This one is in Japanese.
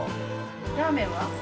ラーメンは？